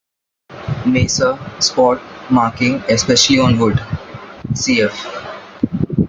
"Maser", spot, marking, especially on wood; "cf.